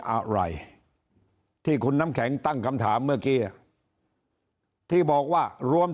อะไรที่คุณน้ำแข็งตั้งคำถามเมื่อกี้ที่บอกว่ารวม